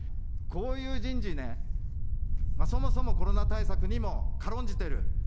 こういう人事ね、そもそもコロナ対策にも軽んじている。